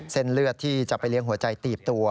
เส้นเลือดที่จะไปเลี้ยงหัวใจตีบตัว